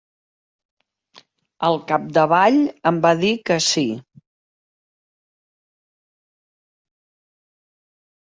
Al capdavall em va dir que sí.